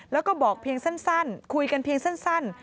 แล้วก็บอกเพียงสั้นคุยกันเพียงสั้น